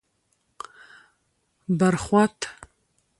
بر خوات: